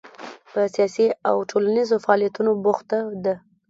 په سیاسي او ټولنیزو فعالیتونو بوخته ده.